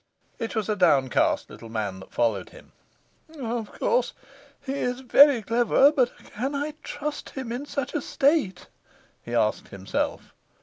It was a downcast little man that followed him. 'Of course he is very clever, but can I trust him in such a state?' he asked himself.